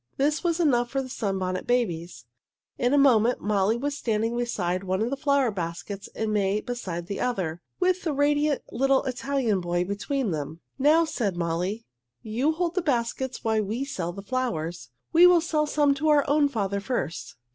This was enough for the Sunbonnet Babies. In a moment Molly was standing beside one of the flower baskets and May beside the other, with the radiant little Italian boy between them. "Now," said Molly, "you hold the baskets while we sell the flowers. We will sell some to our own father first.